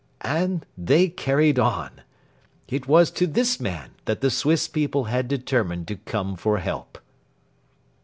And they carried on. It was to this man that the Swiss people had determined to come for help.